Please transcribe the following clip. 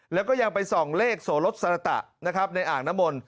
แล้วก็ยังไปส่องเลขโสรสสรตะนะครับในอ่างน้ำมนต